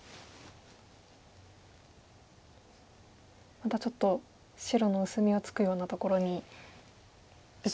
またちょっと白の薄みをつくようなところに打ちましたね。